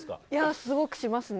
すごくしますね。